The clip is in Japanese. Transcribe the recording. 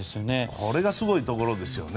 これがすごいところですよね。